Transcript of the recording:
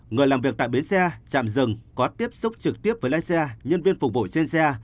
người làm việc tại bến xe trạm dừng có tiếp xúc trực tiếp với lái xe nhân viên phục vụ trên xe